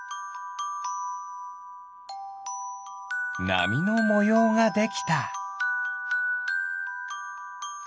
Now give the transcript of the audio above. なみのもようができた。